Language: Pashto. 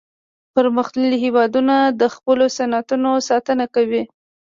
پرمختللي هیوادونه د خپلو صنعتونو ساتنه کوي